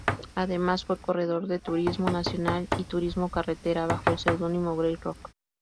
Además, fue corredor de Turismo Nacional y Turismo Carretera, bajo el seudónimo Grey Rock.